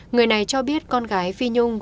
người này cho biết con gái phi nhung